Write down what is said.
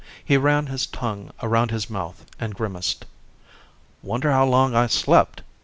He ran his tongue around his mouth and grimaced. "Wonder how long I slept